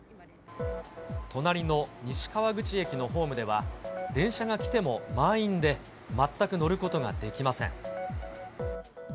隣の西川口駅のホームでは、電車が来ても満員で、全く乗ることができません。